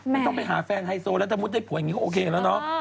ไม่ต้องไปหาแฟนไฮโซแล้วถ้ามุดได้ผู้แบบนี้ก็โอเคแล้วเนาะ